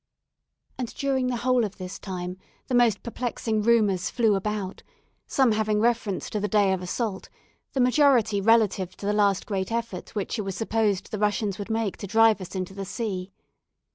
And during the whole of this time the most perplexing rumours flew about, some having reference to the day of assault, the majority relative to the last great effort which it was supposed the Russians would make to drive us into the sea.